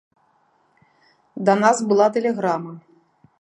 Да нас была тэлеграма.